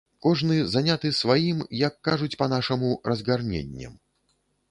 Кожны заняты сваім, як кажуць па-нашаму, разгарненнем.